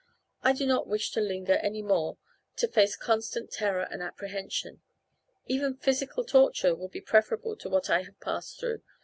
I do not wish to linger any more to face constant terror and apprehension. Even physical torture would be preferable to what I have passed through.